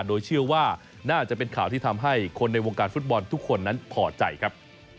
โดยเชื่อว่าน่าจะเป็นข่าวที่ทำให้คนในวงการฟุตบอลทุกคนนั้นพอใจครับ